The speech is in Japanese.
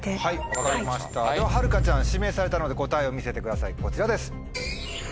分かりましたでははるかちゃん指名されたので答えを見せてくださいこちらです。